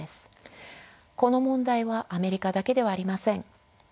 この問題はアメリカだけではありません。